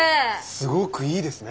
すごくいいですね。